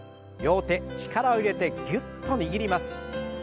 両手力を入れてぎゅっと握ります。